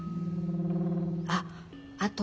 あっあと。